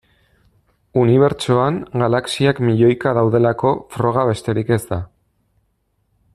Unibertsoan galaxiak milioika daudelako froga besterik ez da.